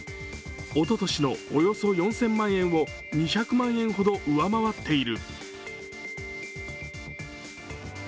おととしのおよそ４０００万円を２００万円ほど上回っている。